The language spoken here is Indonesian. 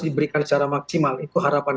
diberikan secara maksimal itu harapan